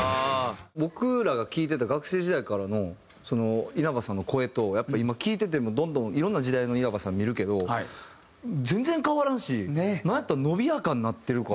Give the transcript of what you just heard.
僕らが聴いてた学生時代からの稲葉さんの声と今聴いててもどんどんいろんな時代の稲葉さん見るけど全然変わらんしなんやったら伸びやかになってるから。